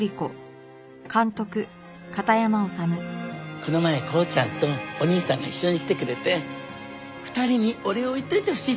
この前コウちゃんとお兄さんが一緒に来てくれて２人にお礼を言っておいてほしいって。